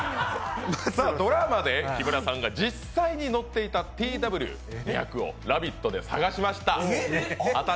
ドラマで木村さんが実際に乗っていたＴＷを「ラヴィット！」で探しました。